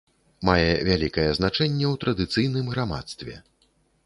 Мае вялікае значэнне ў традыцыйным грамадстве.